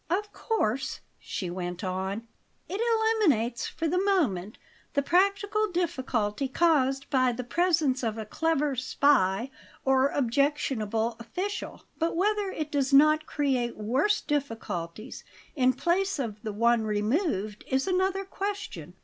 "Of course," she went on, "it eliminates, for the moment, the practical difficulty caused by the presence of a clever spy or objectionable official; but whether it does not create worse difficulties in place of the one removed is another question.